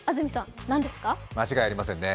間違いありませんね。